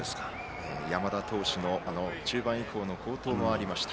山田投手の中盤以降の好投もありました。